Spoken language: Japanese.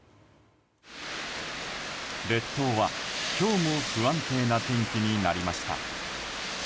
列島は今日も不安定な天気になりました。